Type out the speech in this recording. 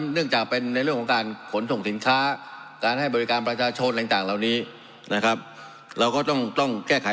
เนื่องจากเป็นในเรื่องของการขนส่งสินค้า